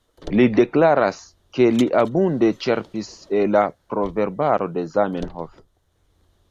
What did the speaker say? Li deklaras, ke li abunde ĉerpis el la Proverbaro de Zamenhof.